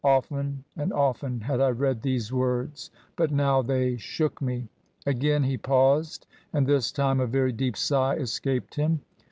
Often and often had I read these words, but now they shook me. Again he paused, and this time a very deep sigh es caped him.